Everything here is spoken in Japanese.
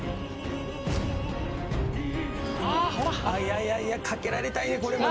いやいやかけられたいねこれも！